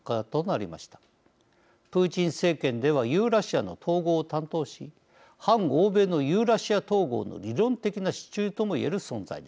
プーチン政権ではユーラシアの統合を担当し反欧米のユーラシア統合の理論的な支柱ともいえる存在です。